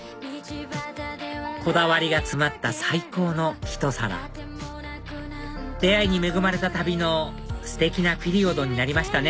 こだわりが詰まった最高のひと皿出会いに恵まれた旅のステキなピリオドになりましたね